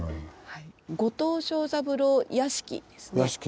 「後藤庄三郎屋敷」ですね。